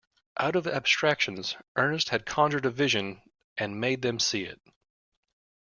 Out of abstractions Ernest had conjured a vision and made them see it.